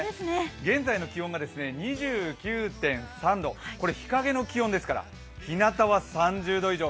現在の気温が２９．３度、これは日陰の気温ですから、ひなたは３０度以上。